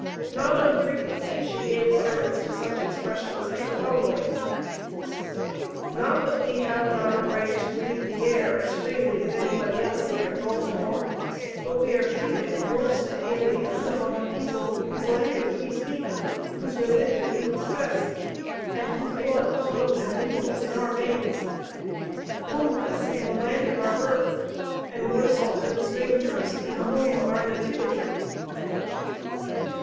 Not unfrequently she gave utterance to such expressions as the following: "Not that we have not a right to breathe the air as freely as anybody else here (in Baltimore), but we are treated worse than aliens among a people whose language we speak, whose religion we profess, and whose blood flows and mingles in our veins.... Homeless in the land of our birth and worse off than strangers in the home of our nativity."